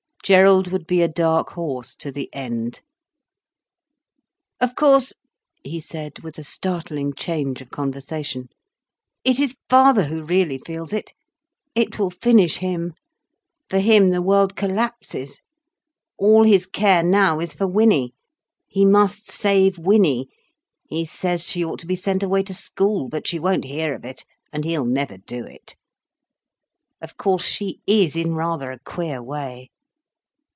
Gerald would be a dark horse to the end. "Of course," he said, with a startling change of conversation, "it is father who really feels it. It will finish him. For him the world collapses. All his care now is for Winnie—he must save Winnie. He says she ought to be sent away to school, but she won't hear of it, and he'll never do it. Of course she is in rather a queer way.